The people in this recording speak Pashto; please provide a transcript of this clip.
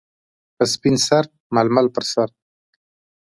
- په سپین سر ململ پر سر.